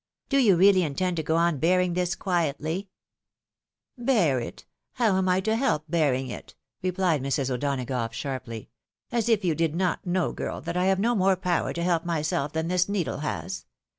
" Do you really intend to go on bearing this quietly ?"" Bear it ? How am I to help bearing it ?" rephed Mrs. O'Donagough, sharply. " As if you did not know, girl, that I have no more power to help myseK than this needle has.